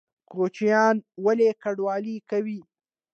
کوچیان ولې کډوالي کوي؟